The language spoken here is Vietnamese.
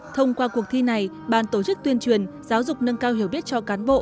thông qua cuộc thi này bàn tổ chức tuyên truyền giáo dục nâng cao hiểu biết cho cán bộ